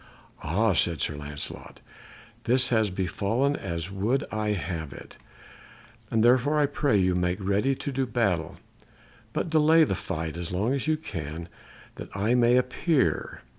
"Ah," said Sir Lancelot, "this has befallen as I would have it, and therefore I pray you make ready to do battle, but delay the fight as long as you can that I may appear.